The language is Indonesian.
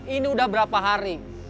ini udah berapa hari